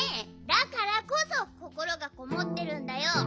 だからこそこころがこもってるんだよ。